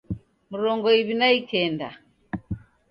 Mrongo iw'i na ikenda